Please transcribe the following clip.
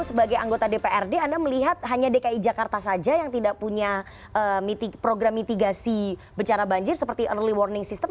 sebagai anggota dprd anda melihat hanya dki jakarta saja yang tidak punya program mitigasi bencana banjir seperti early warning system